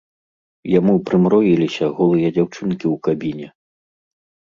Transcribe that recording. Яму прымроіліся голыя дзяўчынкі ў кабіне!